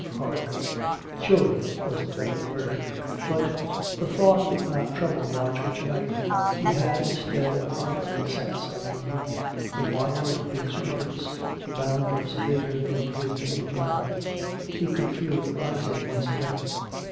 Hardly. "Children" was the better word. But the thought did not trouble Roger to night. He had instead a heartening sense of the youth, the wild exuberance, the boundless vigor in his native land. He could feel it rising once again.